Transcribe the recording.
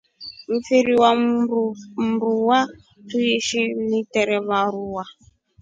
Mfiri wa mruwa tuishinda niterewa ruwa.